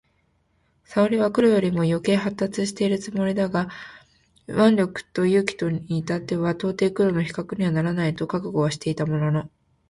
智識は黒よりも余程発達しているつもりだが腕力と勇気とに至っては到底黒の比較にはならないと覚悟はしていたものの、